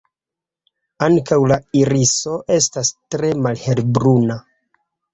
Ankaŭ la iriso estas tre malhelbruna.